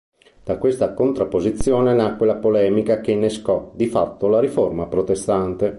Da questa contrapposizione nacque la polemica che innescò, di fatto, la Riforma protestante.